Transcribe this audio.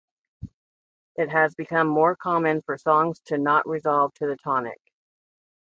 It has become more common for songs to not resolve to the tonic.